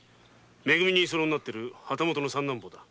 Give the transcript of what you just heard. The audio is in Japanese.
め組の居候になっている旗本の三男坊だ。